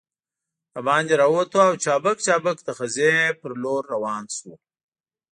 دباندې راووتو او چابک چابک د خزې په لور روان شوو.